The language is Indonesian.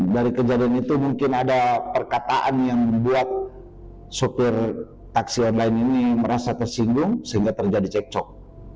dari kejadian itu mungkin ada perkataan yang membuat sopir taksi online ini merasa tersinggung sehingga terjadi cekcok